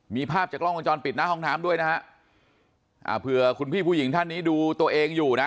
มีภาพจากกล้องวงจรปิดหน้าห้องน้ำด้วยนะฮะอ่าเผื่อคุณพี่ผู้หญิงท่านนี้ดูตัวเองอยู่นะ